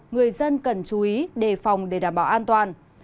người dân cần chú ý đề phòng đề phòng